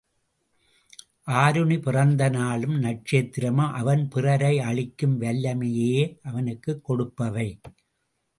ஆருணி பிறந்த நாளும் நட்சத்திரமும் அவன் பிறரை அழிக்கும் வல்லமையையே அவனுக்குக் கொடுப்பவை.